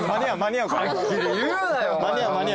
はっきり言うなよ。